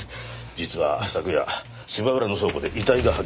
実は昨夜芝浦の倉庫で遺体が発見されまして。